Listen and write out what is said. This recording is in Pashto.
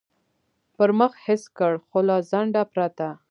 پر مخ حس کړ، خو له ځنډه پرته.